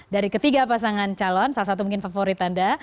dari ketiga pasangan calon salah satu mungkin favorit anda